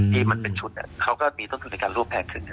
มันเป็นชุดเขาก็มีต้นทุนในการร่วมแพงขึ้น